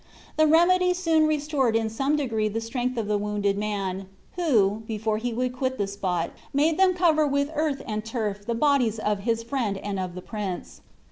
The remedy soon restored in some degree the strength of the wounded man, who, before he would quit the spot, made them cover with earth and turf the bodies of his friend and of the prince.